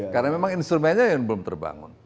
karena memang instrumennya yang belum terbangun